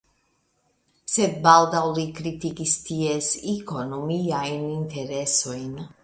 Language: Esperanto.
Sed baldaŭ li kritikis ties ekonomiajn interesojn.